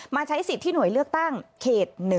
ใช้สิทธิ์ที่หน่วยเลือกตั้งเขต๑